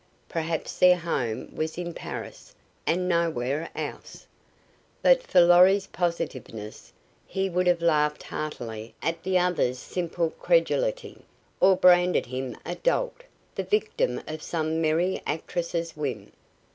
Perhaps their home was in Paris, and nowhere else. But for Lorry's positiveness he would have laughed heartily at the other's simple credulity, or branded him a dolt, the victim of some merry actress's whim.